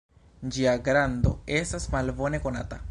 Ĝia grando estas malbone konata.